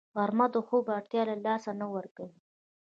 غرمه د خوب اړتیا له لاسه نه ورکوي